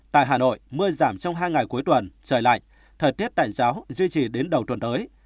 tại hà nội mưa giảm trong hai ngày cuối tuần trời lạnh thời tiết tạnh giáo duy trì đến đầu tuần tới